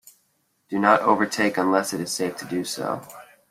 Do not overtake unless it is safe to do so.